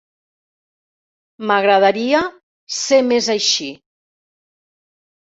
M'agradaria ser més així.